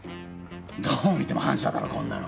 どう見ても反社だろこんなの。